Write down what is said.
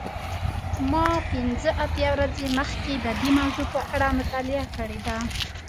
زه پنځه اتیا ورځې مخکې د دې موضوع په اړه مطالعه کړې ده.